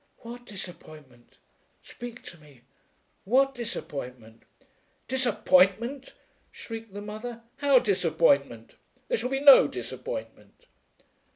"What disappointment? Speak to me. What disappointment?" "Disappointment!" shrieked the mother. "How disappointment? There shall be no disappointment."